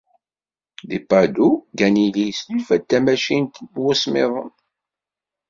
Di Padoue, Galili isnulfa-d tamacint n wusmiḍen.